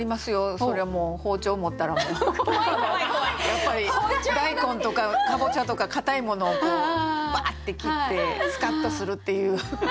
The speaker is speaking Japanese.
やっぱり大根とかかぼちゃとかかたいものをバッて切ってスカッとするっていう。